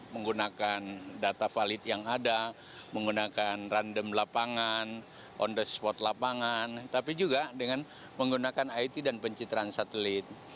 menggunakan data valid yang ada menggunakan random lapangan on the spot lapangan tapi juga dengan menggunakan it dan pencitraan satelit